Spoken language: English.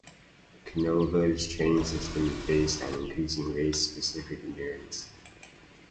Canova's training system is based on increasing race-specific endurance.